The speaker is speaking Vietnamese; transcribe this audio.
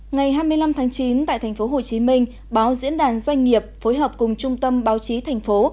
ngày hai mươi năm tháng chín tại tp hcm báo diễn đàn doanh nghiệp phối hợp cùng trung tâm báo chí thành phố